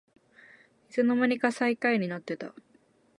いつのまにか最下位になってた